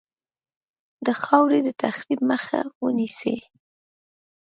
د خاورې د تخریب مخه ونیسي.